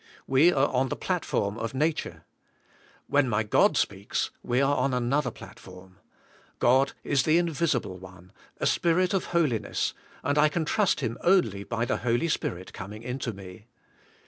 We are on the platform of nature. When my God speaks we are on another platform. God is the Invisible One, a Spirit of holiness, and I can trust Him only by the Holy Spirit coming" into me.